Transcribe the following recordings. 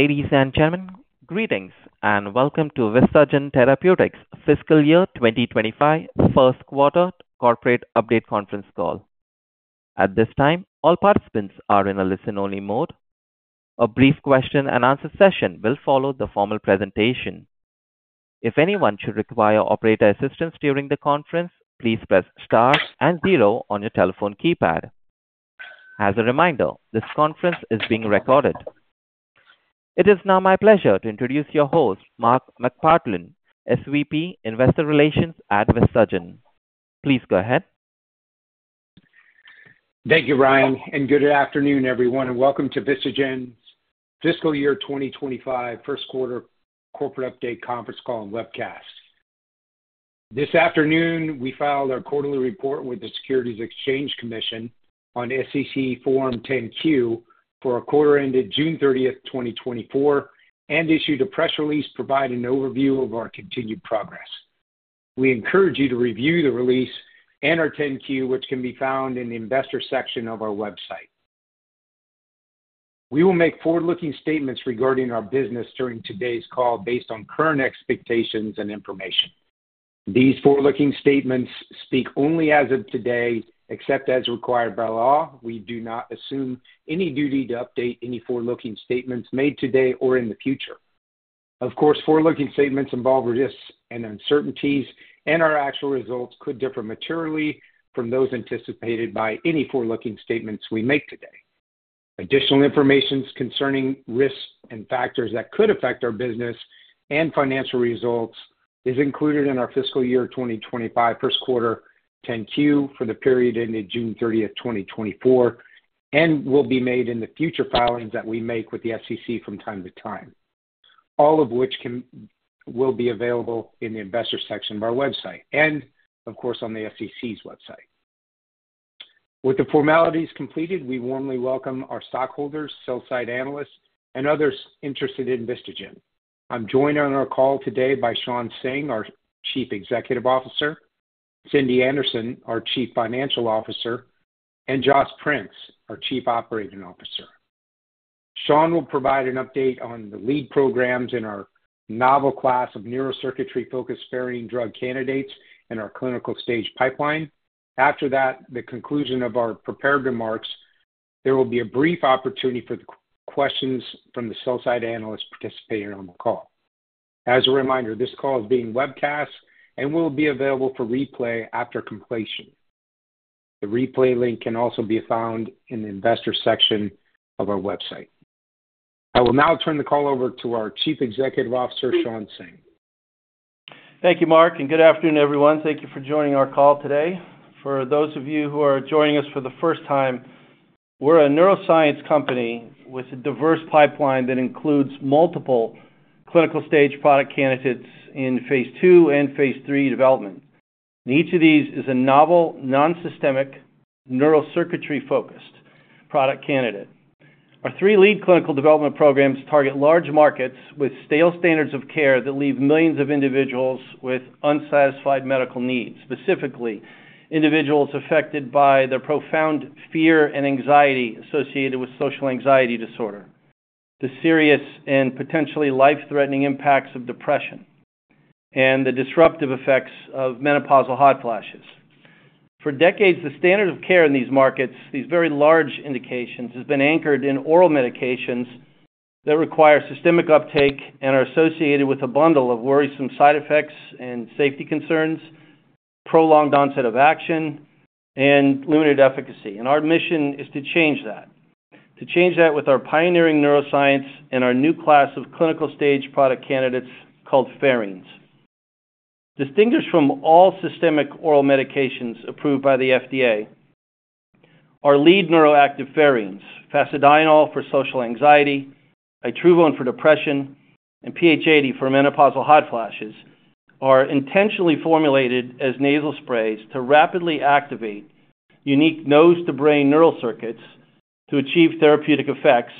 Ladies and gentlemen, greetings and welcome to Vistagen Therapeutics Fiscal Year 2025 Q1 corporate update conference call. At this time, all participants are in a listen-only mode. A brief question-and-answer session will follow the formal presentation. If anyone should require operator assistance during the conference, please press star and zero on your telephone keypad. As a reminder, this conference is being recorded. It is now my pleasure to introduce your host, Mark McPartland, SVP, Investor Relations at Vistagen. Please go ahead. Thank you, Ryan, and good afternoon, everyone, and welcome to Vistagen's Fiscal Year 2025 Q1 Corporate Update Conference Call and Webcast. This afternoon, we filed our quarterly report with the Securities and Exchange Commission on SEC Form 10-Q for our quarter ended June 30, 2024, and issued a press release providing an overview of our continued progress. We encourage you to review the release and our 10-Q, which can be found in the investor section of our website. We will make forward-looking statements regarding our business during today's call based on current expectations and information. These forward-looking statements speak only as of today. Except as required by law, we do not assume any duty to update any forward-looking statements made today or in the future. Of course, forward-looking statements involve risks and uncertainties, and our actual results could differ materially from those anticipated by any forward-looking statements we make today. Additional information concerning risks and factors that could affect our business and financial results is included in our fiscal year 2025 Q1 10-Q for the period ending June 30, 2024, and will be made in the future filings that we make with the SEC from time to time, all of which will be available in the investor section of our website and, of course, on the SEC's website. With the formalities completed, we warmly welcome our stockholders, sell-side analysts, and others interested in Vistagen. I'm joined on our call today by Shawn Singh, our Chief Executive Officer; Cindy Anderson, our Chief Financial Officer; and Josh Prince, our Chief Operating Officer. Shawn will provide an update on the lead programs in our novel class of neurocircuitry-focused pherine drug candidates and our clinical stage pipeline. After that, the conclusion of our prepared remarks, there will be a brief opportunity for the questions from the sell-side analysts participating on the call. As a reminder, this call is being webcast and will be available for replay after completion. The replay link can also be found in the investor section of our website. I will now turn the call over to our Chief Executive Officer, Shawn Singh. Thank you, Mark, and good afternoon, everyone. Thank you for joining our call today. For those of you who are joining us for the first time, we're a neuroscience company with a diverse pipeline that includes multiple clinical stage product candidates in phase II and phase III development. Each of these is a novel, non-systemic, neurocircuitry-focused product candidate. Our three lead clinical development programs target large markets with stale standards of care that leave millions of individuals with unsatisfied medical needs, specifically individuals affected by the profound fear and anxiety associated with social anxiety disorder, the serious and potentially life-threatening impacts of depression, and the disruptive effects of menopausal hot flashes. For decades, the standard of care in these markets, these very large indications, has been anchored in oral medications that require systemic uptake and are associated with a bundle of worrisome side effects and safety concerns, prolonged onset of action, and limited efficacy. Our mission is to change that, to change that with our pioneering neuroscience and our new class of clinical stage product candidates called pherines. Distinguished from all systemic oral medications approved by the FDA, our lead neuroactive pherines, fasedienol for social anxiety, itruvone for depression, and PH80 for menopausal hot flashes, are intentionally formulated as nasal sprays to rapidly activate unique nose-to-brain neurocircuitry to achieve therapeutic effects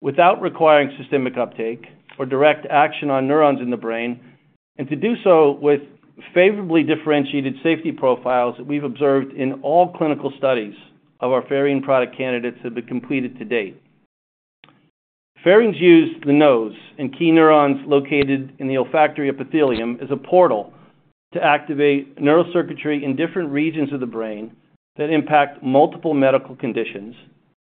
without requiring systemic uptake or direct action on neurons in the brain, and to do so with favorably differentiated safety profiles that we've observed in all clinical studies of our pherine product candidates that have been completed to date. pherines use the nose and key neurons located in the olfactory epithelium as a portal to activate neurocircuitry in different regions of the brain that impact multiple medical conditions.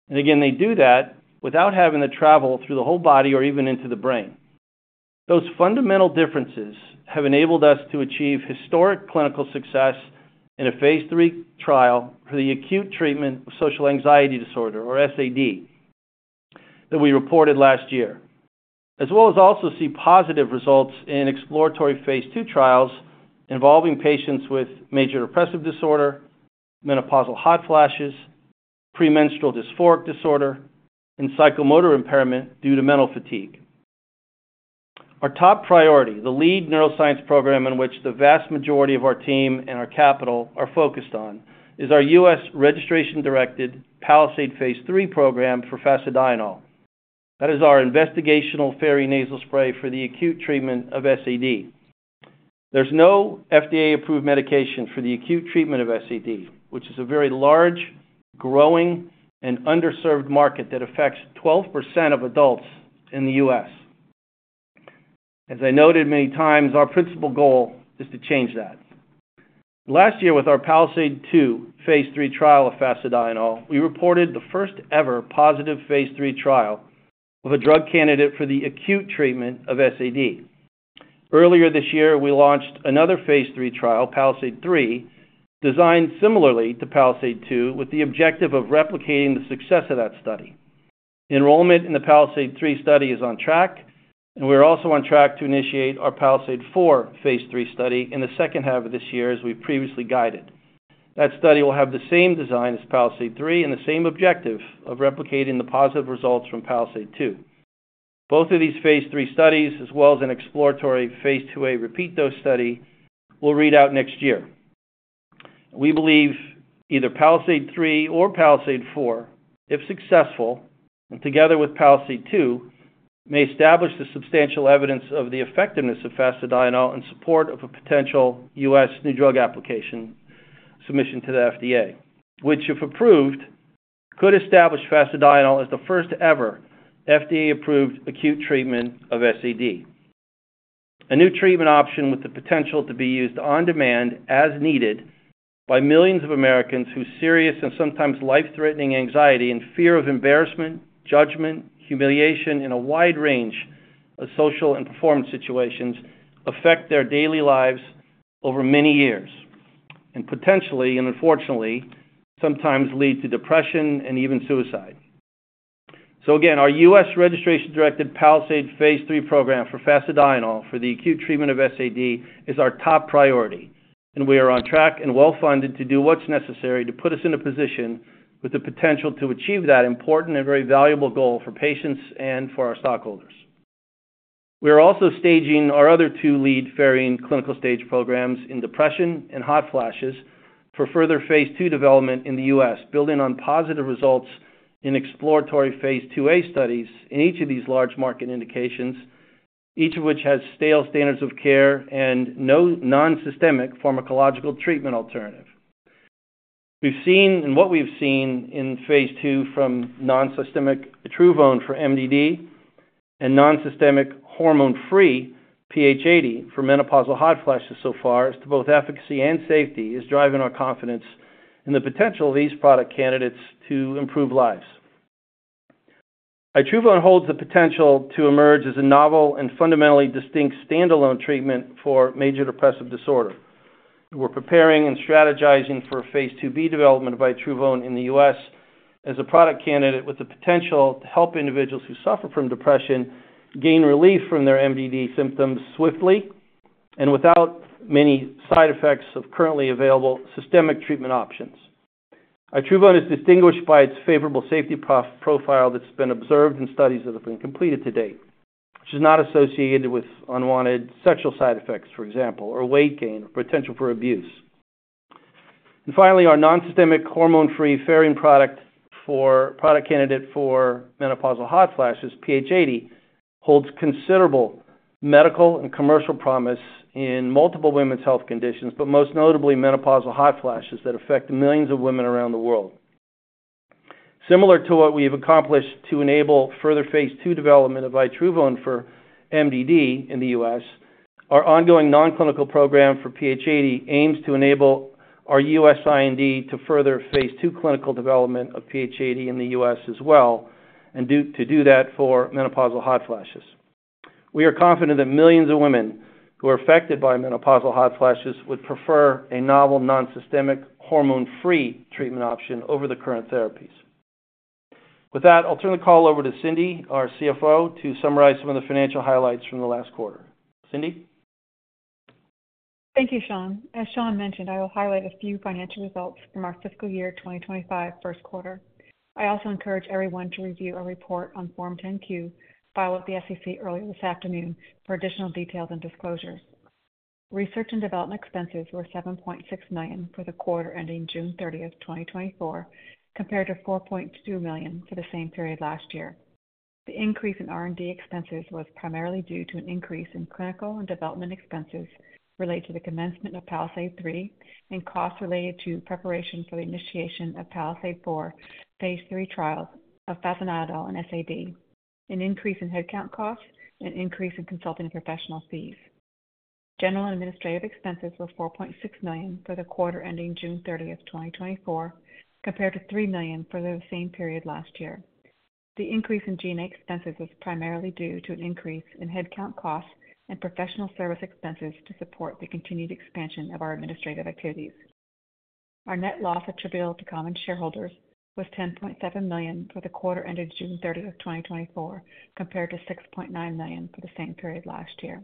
And again, they do that without having to travel through the whole body or even into the brain. Those fundamental differences have enabled us to achieve historic clinical success in a phase III trial for the acute treatment of Social Anxiety Disorder or SAD, that we reported last year, as well as also see positive results in exploratory phase II trials involving patients with Major Depressive Disorder, Menopausal Hot Flashes, Premenstrual Dysphoric Disorder, and Psychomotor Impairment due to mental fatigue. Our top priority, the lead neuroscience program in which the vast majority of our team and our capital are focused on, is our U.S. registration-directed PALISADE phase III program for fasedienol. That is our investigational pherine nasal spray for the acute treatment of SAD. There's no FDA-approved medication for the acute treatment of SAD, which is a very large, growing, and underserved market that affects 12% of adults in the U.S. As I noted many times, our principal goal is to change that. Last year, with our PALISADE-2 phase III trial of fasedienol, we reported the first ever positive phase III trial of a drug candidate for the acute treatment of SAD. Earlier this year, we launched another phase III trial, PALISADE-3, designed similarly to PALISADE-2, with the objective of replicating the success of that study. Enrollment in the PALISADE-3 study is on track, and we're also on track to initiate our PALISADE-4 phase III study in the second half of this year, as we've previously guided. That study will have the same design as PALISADE-3 and the same objective of replicating the positive results from PALISADE-2. Both of these phase III studies, as well as an exploratory phase II-A repeat dose study, will read out next year. We believe either PALISADE-3 or PALISADE-4, if successful, and together with PALISADE-2, may establish the substantial evidence of the effectiveness of fasedienol in support of a potential U.S. new drug application submission to the FDA, which, if approved, could establish fasedienol as the first-ever FDA-approved acute treatment of SAD. A new treatment option with the potential to be used on demand, as needed, by millions of Americans whose serious and sometimes life-threatening anxiety and fear of embarrassment, judgment, humiliation in a wide range of social and performance situations affect their daily lives over many years, and potentially, and unfortunately, sometimes lead to depression and even suicide. So again, our U.S. registration-directed PALISADE phase III program for fasedienol for the acute treatment of SAD is our top priority, and we are on track and well-funded to do what's necessary to put us in a position with the potential to achieve that important and very valuable goal for patients and for our stockholders. We are also staging our other two leading clinical stage programs in depression and hot flashes for further phase II development in the U.S., building on positive results in exploratory phase IIa studies in each of these large market indications, each of which has stale standards of care and no non-systemic pharmacological treatment alternative. We've seen, and what we've seen in phase II from non-systemic Itruvone for MDD and non-systemic hormone-free PH80 for menopausal hot flashes so far, as to both efficacy and safety, is driving our confidence in the potential of these product candidates to improve lives. Itruvone holds the potential to emerge as a novel and fundamentally distinct standalone treatment for major depressive disorder. We're preparing and strategizing for a phase II-B development of Itruvone in the U.S. as a product candidate with the potential to help individuals who suffer from depression gain relief from their MDD symptoms swiftly and without many side effects of currently available systemic treatment options. Itruvone is distinguished by its favorable safety profile that's been observed in studies that have been completed to date, which is not associated with unwanted sexual side effects, for example, or weight gain, or potential for abuse. And finally, our non-systemic, hormone-free pherine product candidate for menopausal hot flashes, PH80, holds considerable medical and commercial promise in multiple women's health conditions, but most notably, menopausal hot flashes that affect millions of women around the world. Similar to what we've accomplished to enable further phase II development of Itruvone for MDD in the U.S. Our ongoing non-clinical program for PH80 aims to enable our U.S. IND to further phase II clinical development of PH80 in the U.S. as well, and to do that for menopausal hot flashes. We are confident that millions of women who are affected by menopausal hot flashes would prefer a novel, non-systemic, hormone-free treatment option over the current therapies. With that, I'll turn the call over to Cindy, our CFO, to summarize some of the financial highlights from the last quarter. Cindy? Thank you, Shawn. As Shawn mentioned, I will highlight a few financial results from our fiscal year 2025 Q1. I also encourage everyone to review our report on Form 10-Q, filed with the SEC earlier this afternoon, for additional details and disclosures. Research and development expenses were $7.6 million for the quarter ending June 30, 2024, compared to $4.2 million for the same period last year. The increase in R&D expenses was primarily due to an increase in clinical and development expenses related to the commencement of PALISADE-3, and costs related to preparation for the initiation of PALISADE-4 phase III trials of fasedienol and SAD, an increase in headcount costs, and an increase in consulting professional fees. General and administrative expenses were $4.6 million for the quarter ending June 30, 2024, compared to $3 million for the same period last year. The increase in G&A expenses was primarily due to an increase in headcount costs and professional service expenses to support the continued expansion of our administrative activities. Our net loss attributable to common shareholders was $10.7 million for the quarter ended June 30, 2024, compared to $6.9 million for the same period last year.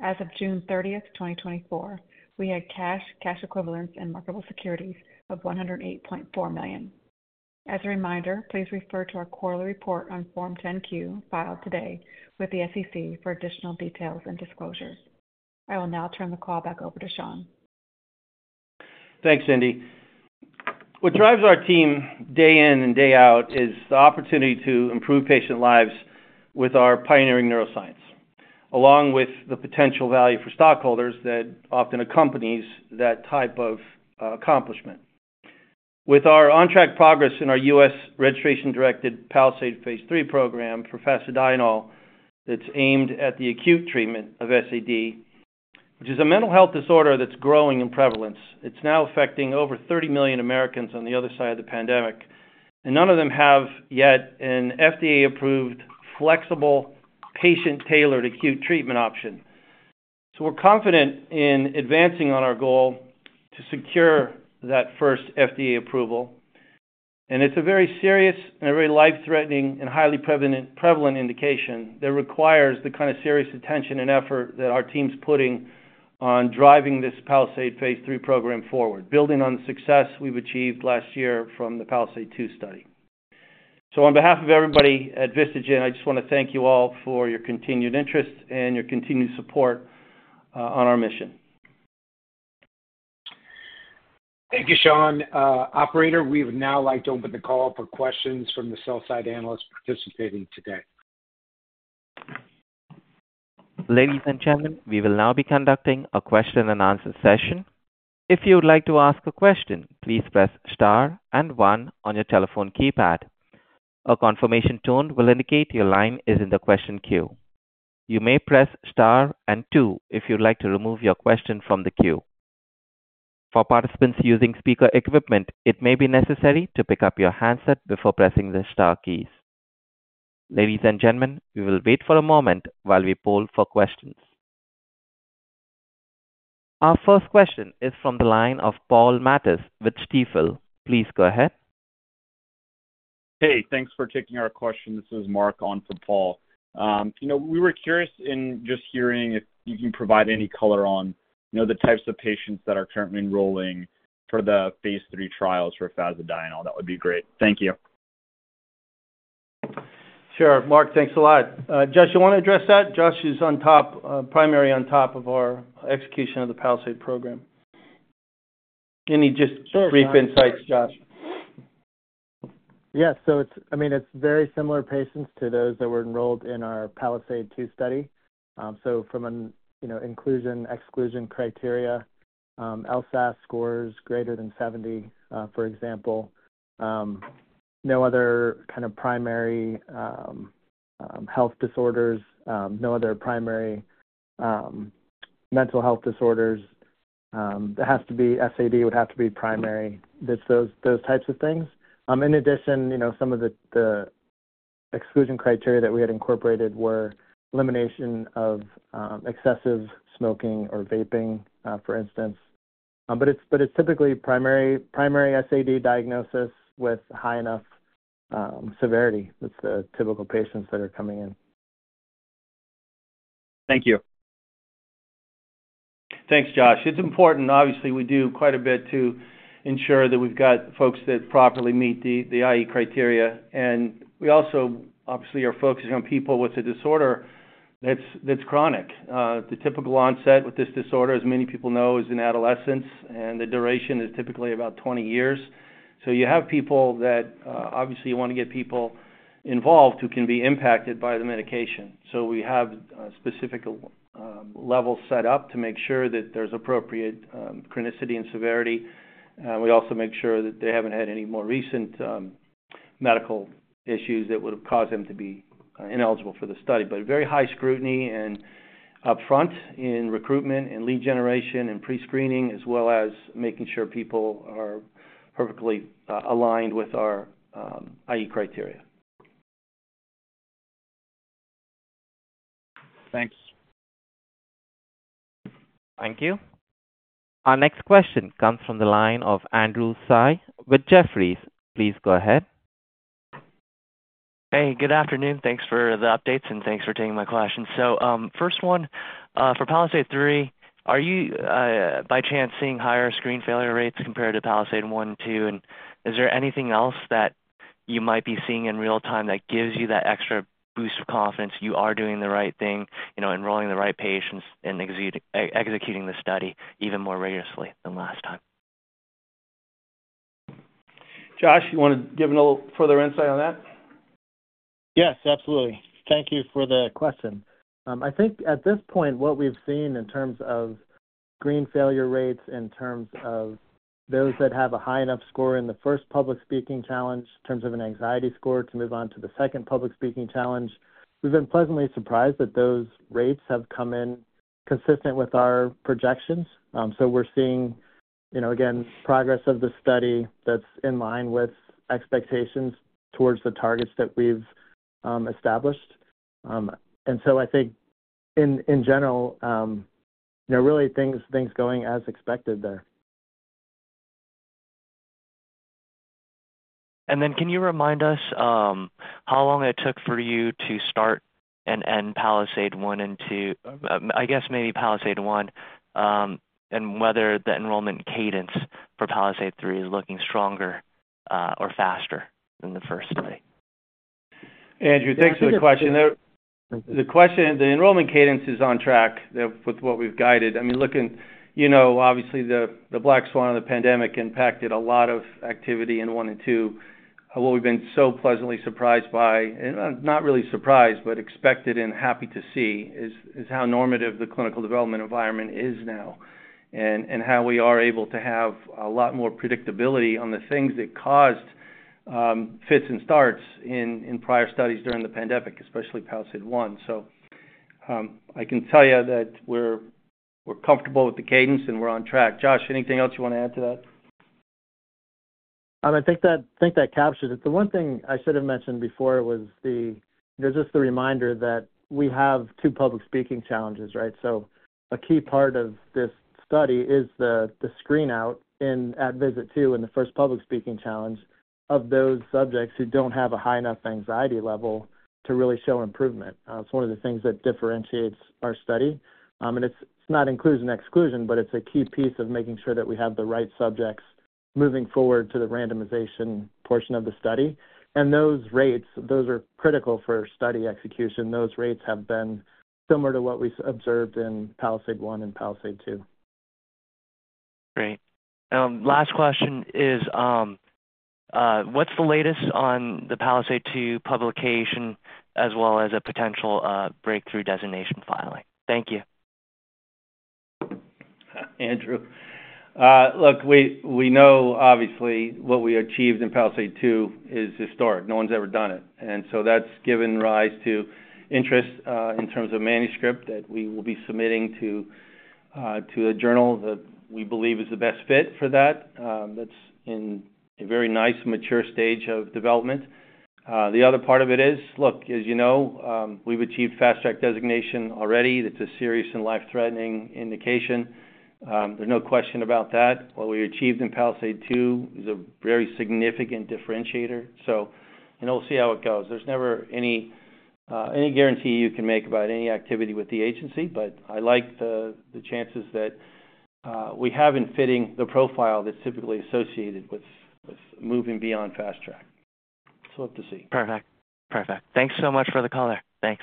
As of June 30, 2024, we had cash, cash equivalents, and marketable securities of $108.4 million. As a reminder, please refer to our quarterly report on Form 10-Q, filed today with the SEC, for additional details and disclosures. I will now turn the call back over to Shawn. Thanks, Cindy. What drives our team day in and day out is the opportunity to improve patient lives with our pioneering neuroscience, along with the potential value for stockholders that often accompanies that type of, accomplishment. With our on-track progress in our U.S. registration-directed phase III program for fasedienol, it's aimed at the acute treatment of SAD, which is a mental health disorder that's growing in prevalence. It's now affecting over 30 million Americans on the other side of the pandemic, and none of them have yet an FDA-approved, flexible, patient-tailored acute treatment option. So we're confident in advancing on our goal to secure that first FDA approval. It's a very serious and a very life-threatening and highly prevalent indication that requires the kind of serious attention and effort that our team's putting on driving this PALISADE phase III program forward, building on the success we've achieved last year from the PALISADE-2 study. On behalf of everybody at Vistagen, I just wanna thank you all for your continued interest and your continued support on our mission. Thank you, Shawn. Operator, we would now like to open the call up for questions from the sell-side analysts participating today. Ladies and gentlemen, we will now be conducting a question-and-answer session. If you would like to ask a question, please press star and one on your telephone keypad. A confirmation tone will indicate your line is in the question queue. You may press star and two if you'd like to remove your question from the queue. For participants using speaker equipment, it may be necessary to pick up your handset before pressing the star keys. Ladies and gentlemen, we will wait for a moment while we poll for questions. Our first question is from the line of Paul Matteis with Stifel. Please go ahead. Hey, thanks for taking our question. This is Mark on for Paul. You know, we were curious in just hearing if you can provide any color on, you know, the types of patients that are currently enrolling for phase III trials for fasedienol. That would be great. Thank you. Sure, Mark. Thanks a lot. Josh, you wanna address that? Josh is on top, primary on top of our execution of the PALISADE program. Any just— Sure. —brief insights, Josh? Yeah. So it's—I mean, it's very similar patients to those that were enrolled in our PALISADE-2 study. So, from an, you know, inclusion, exclusion criteria, LSAS scores greater than 70, for example, no other kind of primary, health disorders, no other primary, mental health disorders. It has to be, SAD would have to be primary, just those, those types of things. In addition, you know, some of the, the exclusion criteria that we had incorporated were elimination of, excessive smoking or vaping, for instance. But it's, but it's typically primary, primary SAD diagnosis with high enough, severity. That's the typical patients that are coming in. Thank you. Thanks, Josh. It's important. Obviously, we do quite a bit to ensure that we've got folks that properly meet the IE criteria, and we also obviously are focusing on people with a disorder that's chronic. The typical onset with this disorder, as many people know, is in adolescence, and the duration is typically about 20 years. So you have people that obviously you want to get people involved who can be impacted by the medication. So we have a specific level set up to make sure that there's appropriate chronicity and severity. We also make sure that they haven't had any more recent medical issues that would have caused them to be ineligible for the study. Very high scrutiny and upfront in recruitment and lead generation and prescreening, as well as making sure people are perfectly aligned with our IE criteria. Thanks. Thank you. Our next question comes from the line of Andrew Tsai with Jefferies. Please go ahead. Hey, good afternoon. Thanks for the updates, and thanks for taking my question. So, first one, for PALISADE-3, are you, by chance, seeing higher screen failure rates compared to PALISADE-1 and 2? And is there anything else that you might be seeing in real-time that gives you that extra boost of confidence you are doing the right thing, you know, enrolling the right patients and executing the study even more rigorously than last time? Josh, you want to give a little further insight on that? Yes, absolutely. Thank you for the question. I think at this point, what we've seen in terms of screen failure rates, in terms of those that have a high enough score in the first public speaking challenge, in terms of an anxiety score, to move on to the second public speaking challenge, we've been pleasantly surprised that those rates have come in consistent with our projections. So we're seeing, you know, again, progress of the study that's in line with expectations towards the targets that we've established. And so I think in general, you know, really things going as expected there. And then can you remind us, how long it took for you to start and end PALISADE-1 and 2? I guess maybe PALISADE-1, and whether the enrollment cadence for PALISADE-3 is looking stronger, or faster than the first study? Andrew, thanks for the question. The question, the enrollment cadence is on track with what we've guided. I mean, looking, you know, obviously, the black swan of the pandemic impacted a lot of activity in 1 and 2. What we've been so pleasantly surprised by, and not really surprised, but expected and happy to see, is how normative the clinical development environment is now. And how we are able to have a lot more predictability on the things that caused fits and starts in prior studies during the pandemic, especially PALISADE-1. So, I can tell you that we're comfortable with the cadence, and we're on track. Josh, anything else you want to add to that? I think that captures it. The one thing I should have mentioned before was the—there's just the reminder that we have two public speaking challenges, right? So a key part of this study is the screen out at visit two in the first public speaking challenge, of those subjects who don't have a high enough anxiety level to really show improvement. It's one of the things that differentiates our study. And it's not inclusion, exclusion, but it's a key piece of making sure that we have the right subjects moving forward to the randomization portion of the study. And those rates, those are critical for study execution. Those rates have been similar to what we observed in PALISADE-1 and PALISADE-2. Great. Last question is, what's the latest on the PALISADE-2 publication as well as a potential breakthrough designation filing? Thank you. Andrew. Look, we, we know obviously what we achieved in PALISADE-2 is historic. No one's ever done it, and so that's given rise to interest in terms of manuscript that we will be submitting to a journal that we believe is the best fit for that. That's in a very nice, mature stage of development. The other part of it is, look, as you know, we've achieved Fast Track designation already. It's a serious and life-threatening indication. There's no question about that. What we achieved in PALISADE-2 is a very significant differentiator, so and we'll see how it goes. There's never any any guarantee you can make about any activity with the agency, but I like the the chances that we have in fitting the profile that's typically associated with moving beyond Fast Track. So we'll have to see. Perfect. Perfect. Thanks so much for the color. Thanks.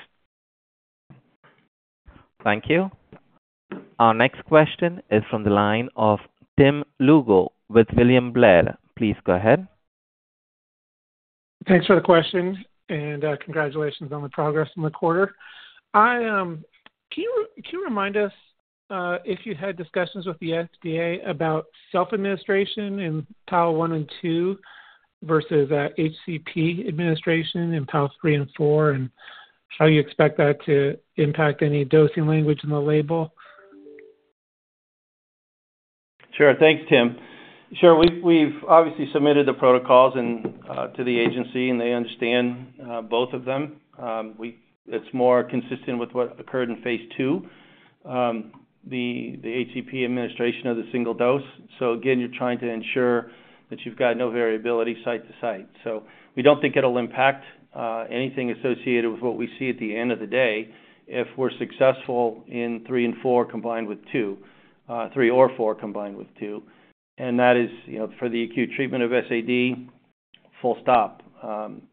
Thank you. Our next question is from the line of Tim Lugo with William Blair. Please go ahead. Thanks for the question and congratulations on the progress in the quarter. Can you remind us if you had discussions with the FDA about self-administration in PALISADE-1 and 2 versus HCP administration in PALISADE-3 and 4, and how you expect that to impact any dosing language in the label? Sure. Thanks, Tim. Sure. We've obviously submitted the protocols and to the agency, and they understand both of them. It's more consistent with what occurred in phase II, the HCP administration of the single dose. So again, you're trying to ensure that you've got no variability site to site. So we don't think it'll impact anything associated with what we see at the end of the day, if we're successful in 3 and 4, combined with 2, 3 or 4, combined with 2, and that is, you know, for the acute treatment of SAD, full stop,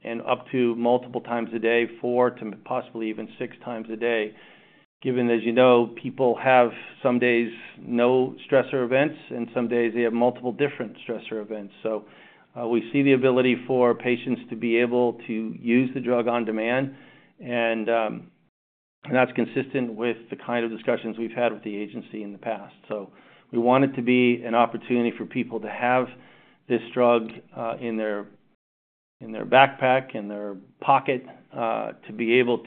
and up to multiple times a day, four to possibly even six times a day. Given, as you know, people have some days, no stressor events, and some days they have multiple different stressor events. So we see the ability for patients to be able to use the drug on demand, and that's consistent with the kind of discussions we've had with the agency in the past. So we want it to be an opportunity for people to have this drug in their backpack, in their pocket, to be able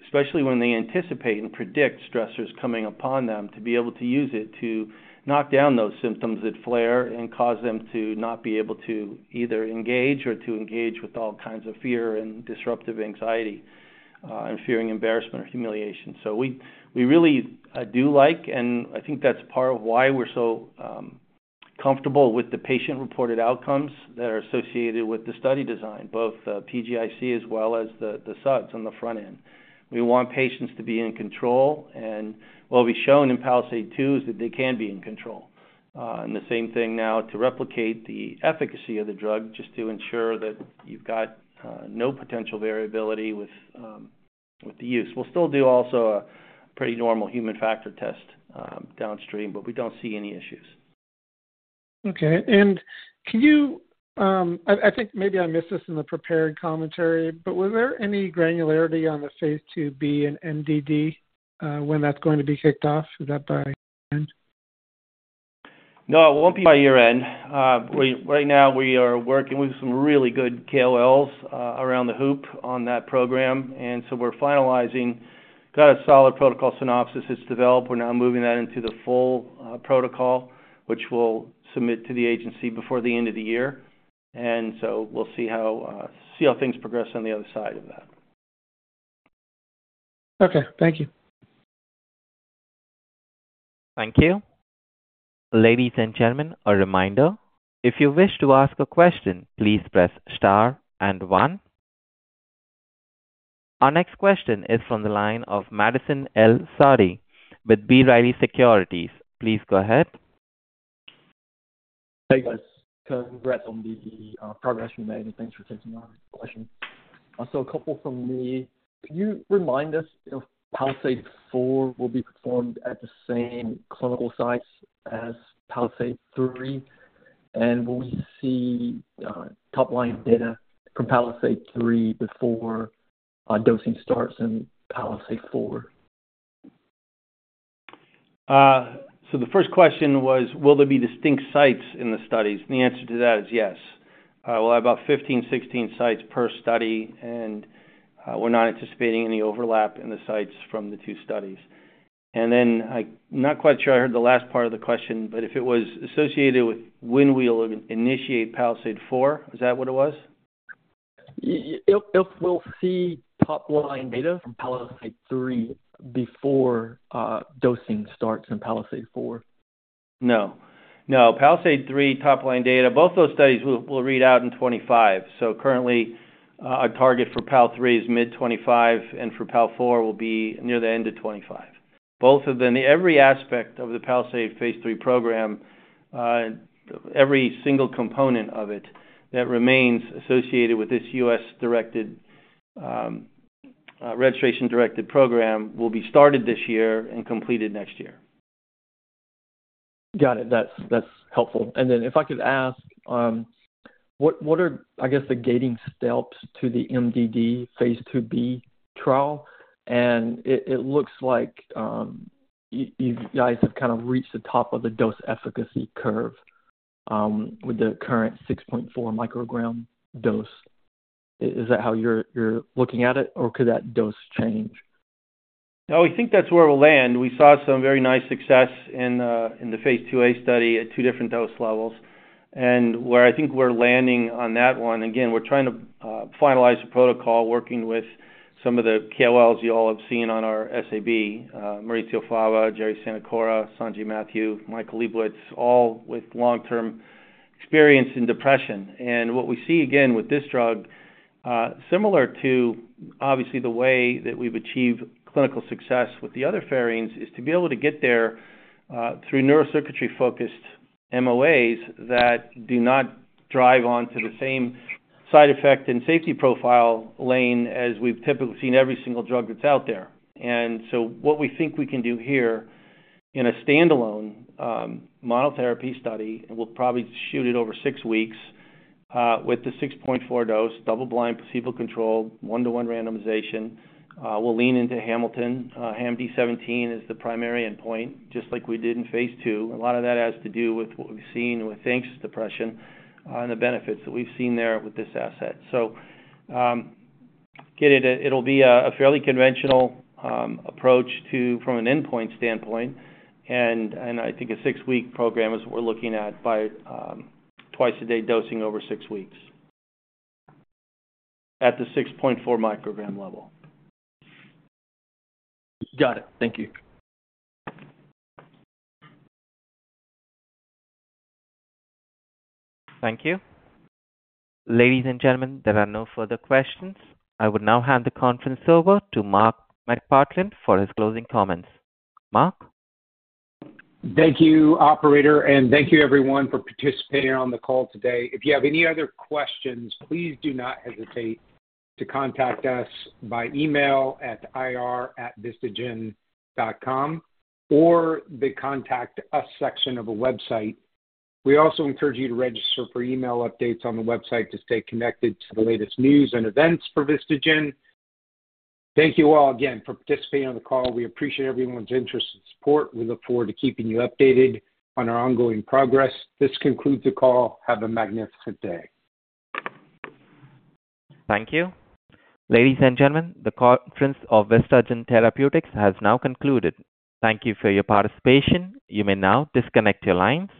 to—Especially when they anticipate and predict stressors coming upon them, to be able to use it to knock down those symptoms that flare and cause them to not be able to either engage or to engage with all kinds of fear and disruptive anxiety, and fearing embarrassment or humiliation. So we really do like, and I think that's part of why we're so comfortable with the patient-reported outcomes that are associated with the study design, both PGIC as well as the SUDS on the front end. We want patients to be in control, and what we've shown in PALISADE-2 is that they can be in control. And the same thing now to replicate the efficacy of the drug, just to ensure that you've got no potential variability with the use. We'll still do also a pretty normal Human Factor Test downstream, but we don't see any issues. Okay. And can you, I think maybe I missed this in the prepared commentary, but was there any granularity on the phase IIb and MDD, when that's going to be kicked off? Is that by end? No, it won't be by year-end. Right now we are working with some really good KOLs around the hoop on that program, and so we're finalizing. Got a solid protocol synopsis. It's developed. We're now moving that into the full protocol, which we'll submit to the agency before the end of the year, and so we'll see how things progress on the other side of that. Okay, thank you. Thank you. Ladies and gentlemen, a reminder, if you wish to ask a question, please press star and one. Our next question is from the line of Madison El-Saadi with B. Riley Securities. Please go ahead. Hey, guys. Congrats on the progress you made, and thanks for taking my question. So a couple from me: Could you remind us if PALISADE-4 will be performed at the same clinical sites as PALISADE-3? And will we see top-line data from PALISADE-3 before dosing starts in PALISADE-4? So the first question was, will there be distinct sites in the studies? And the answer to that is yes. We'll have about 15-16 sites per study, and we're not anticipating any overlap in the sites from the two studies. And then I'm not quite sure I heard the last part of the question, but if it was associated with when we'll initiate PALISADE-4, is that what it was? If, if we'll see top-line data from PALISADE-3 before dosing starts in PALISADE-4. No. No, PALISADE-3 top-line data, both those studies will read out in 2025. So currently, our target for PALISADE-3 is mid-2025, and for PALISADE-4 will be near the end of 2025. Both of them, every aspect of the phase III program, every single component of it that remains associated with this U.S.-directed, registration-directed program, will be started this year and completed next year. Got it. That's, that's helpful. And then if I could ask, what are, I guess, the gating steps to the MDD phase II-B trial? And it looks like, you guys have kind of reached the top of the dose efficacy curve, with the current 6.4 microgram dose. Is that how you're looking at it, or could that dose change? No, we think that's where we'll land. We saw some very nice success in the phase IIa study at 2 different dose levels, and where I think we're landing on that one. Again, we're trying to finalize the protocol, working with some of the KOLs you all have seen on our SAB, Maurizio Fava, Gerry Sanacora, Sanjay Mathew, Michael Liebowitz, all with long-term experience in depression. And what we see, again, with this drug, similar to obviously the way that we've achieved clinical success with the other pherines, is to be able to get there through neurocircuitry-focused MOAs that do not drive on to the same side effect and safety profile lane as we've typically seen every single drug that's out there. And so what we think we can do here in a standalone, monotherapy study, and we'll probably shoot it over 6 weeks, with the 6.4 dose, double blind, placebo control, 1:1 randomization. We'll lean into Hamilton. HAMD-17 is the primary endpoint, just like we did in phase II. A lot of that has to do with what we've seen with anxious depression, and the benefits that we've seen there with this asset. So, get it, it'll be a, a fairly conventional, approach to from an endpoint standpoint, and, and I think a 6-week program is what we're looking at by, twice a day, dosing over 6 weeks. At the 6.4 microgram level. Got it. Thank you. Thank you. Ladies and gentlemen, there are no further questions. I would now hand the conference over to Mark McPartland for his closing comments. Mark? Thank you, operator, and thank you everyone for participating on the call today. If you have any other questions, please do not hesitate to contact us by email at ir@vistagen.com or the Contact Us section of the website. We also encourage you to register for email updates on the website to stay connected to the latest news and events for Vistagen. Thank you all again for participating on the call. We appreciate everyone's interest and support. We look forward to keeping you updated on our ongoing progress. This concludes the call. Have a magnificent day. Thank you. Ladies and gentlemen, the conference of Vistagen Therapeutics has now concluded. Thank you for your participation. You may now disconnect your line.